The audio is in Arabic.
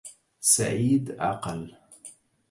سعيد عقل